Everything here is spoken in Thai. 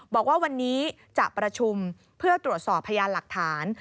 บอกว่าวันนี้จะประชุมเพื่อตรวจสอบพยานหลักฐาน